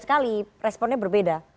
sekali responnya berbeda